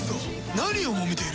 何をもめている！